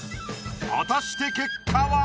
果たして結果は？